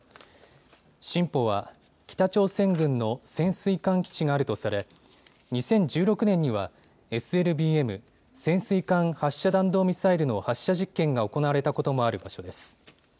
シンポは北朝鮮軍の潜水艦基地があるとされ２０１６年にはＳＬＢＭ・潜水艦発射弾道ミサイルの発射実験が行われたこともある場所です。